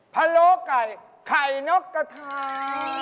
พะโล่ไก่ไข่นกกะทาน